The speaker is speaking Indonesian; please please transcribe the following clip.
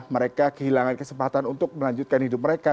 mereka kehilangan kesempatan untuk melanjutkan hidup mereka